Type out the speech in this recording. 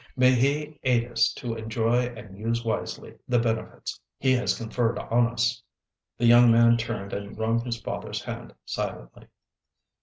May He aid us to enjoy and use wisely the benefits He has conferred on us!" The young man turned and wrung his father's hand silently.